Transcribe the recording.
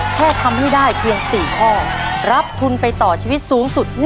แค่ทำให้ได้เพียง๔ข้อรับทุนไปต่อชีวิตสูงสุด